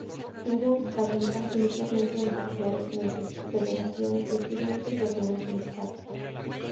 Tuvo cabida inicialmente en sectores medios, federaciones de estudiantes y algunos sindicatos.